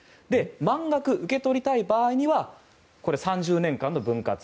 満額受け取りたい場合には３０年間の分割。